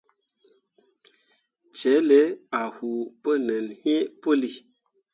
Celle a huu pu nin hi puli.